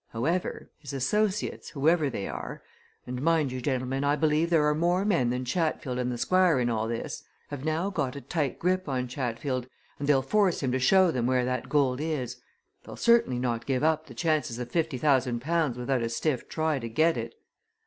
However, his associates, whoever they are and mind you, gentlemen, I believe there are more men than Chatfield and the Squire in all this! have now got a tight grip on Chatfield, and they'll force him to show them where that gold is they'll certainly not give up the chances of fifty thousand pounds without a stiff try to get it.